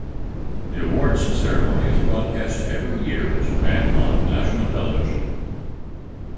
The awards ceremony is broadcast every year in Japan on national television.